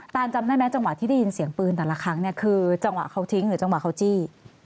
จำได้ไหมจังหวะที่ได้ยินเสียงปืนแต่ละครั้งเนี่ยคือจังหวะเขาทิ้งหรือจังหวะเขาจี้